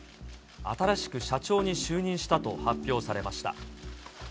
新しく社長に就任したと発表されました。